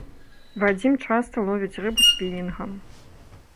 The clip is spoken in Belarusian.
Вадзім часта ловіць рыбу спінінгам.